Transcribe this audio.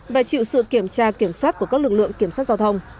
và chịu sự kiểm tra kiểm soát của các lực lượng kiểm soát giao thông